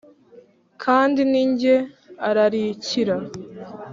kandi ni jye ararikira.